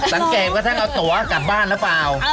สังเกตว่าท่านเอาตัวกลับบ้านหรือเปล่า